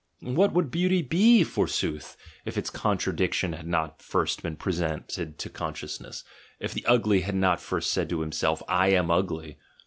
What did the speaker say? What would beauty be, forsooth, if its contradiction had not first been pre sented to consciousness, if the ugly had not first said to itself, "I am ugly"?